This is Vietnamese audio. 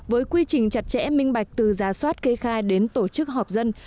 với quy trình chặt chẽ minh bạch từ giả soát kê khai đến tổ chức họp dân